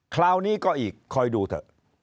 คราวนี้ก็อีกคอยดูเถอะ